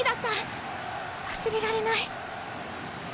忘れられない。